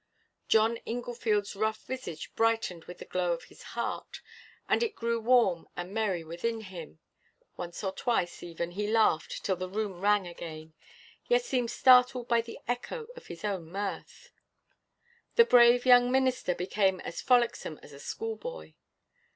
John Inglefield's rough visage brightened with the glow of his heart, as it grew warm and merry within him; once or twice, even, he laughed till the room rang again, yet seemed startled by the echo of his own mirth. The brave young minister became as frolicsome as a schoolboy.